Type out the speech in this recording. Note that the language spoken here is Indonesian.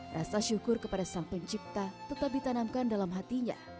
rasa syukur kepada sang pencipta tetap ditanamkan dalam hatinya